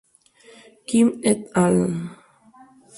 Kim et al.